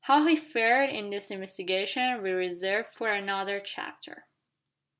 How he fared in this investigation we reserve for another chapter.